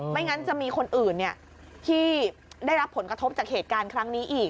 ไม่งั้นจะมีคนอื่นที่ได้รับผลกระทบจากเหตุการณ์ครั้งนี้อีก